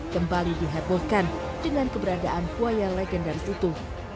kembali dihebohkan dengan keberadaan buaya legendaris itu